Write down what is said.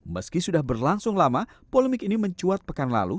meski sudah berlangsung lama polemik ini mencuat pekan lalu